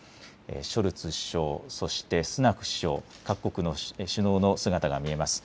ショルツ首相、そしてスナク首相、各国の首脳の姿が見えます。